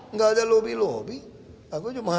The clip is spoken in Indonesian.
enggak ada lobby lobby aku cuma ini aja